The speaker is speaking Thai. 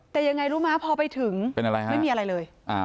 แต่ยังไงรู้มั้ยพอไปถึงไม่มีอะไรเลย